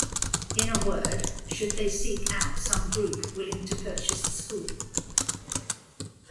In a word, Should they seek out some group willing to purchase the school?